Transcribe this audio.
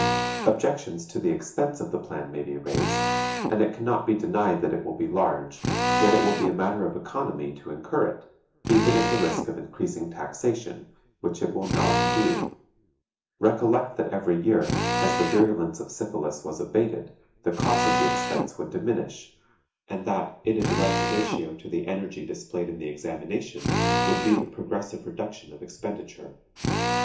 Objections to the expense of the plan may be raised, and it can not be denied that it will be large, yet it will be a matter of economy to incur it, even at the risk of increasing taxation, which it will not do. Recollect that every year, as the virulence of syphilis was abated, the cause of the expense would diminish, and that in a direct ratio to the energy displayed in the examination would be the progressive reduction of expenditure.